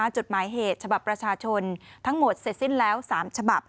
จดหมายเหตุชบับประชาชนทั้งหมดเศริษฐี๓ชบ